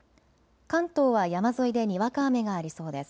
関東は山沿いでにわか雨がありそうです。